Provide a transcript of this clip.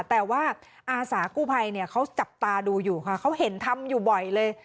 แต่ว่าอาสากู้ภัยเนี่ยเขาจับตาดูอยู่ค่ะเขาเห็นทำอยู่บ่อยเลย